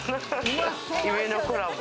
夢のコラボ。